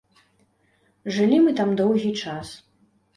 Жылі мы там доўгі час.